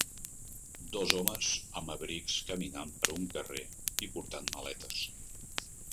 Dos homes amb abrics caminant per una carrer i portant maletes.